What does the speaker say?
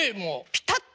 ピタッと。